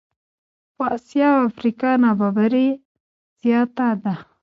په آسیا او افریقا نابرابري زیاته ده.